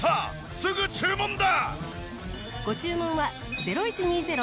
すぐ注文だ！